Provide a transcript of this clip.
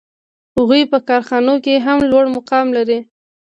هغوی په کارخانو کې هم لوړ مقام لري